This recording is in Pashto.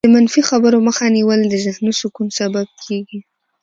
د منفي خبرو مخه نیول د ذهني سکون سبب کېږي.